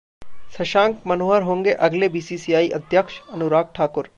शशांक मनोहर होंगे अगले बीसीसीआई अध्यक्ष: अनुराग ठाकुर